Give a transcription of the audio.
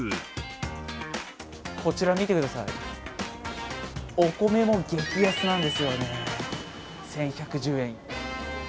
こちら見てください、お米も激安なんですよね、１１１０円。